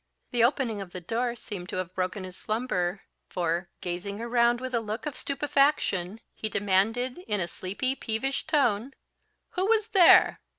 The opening of the door seemed to have broken his slumber; for, gazing around with a look of stupefaction, he demanded in a sleepy peevish tone, "Who was there?"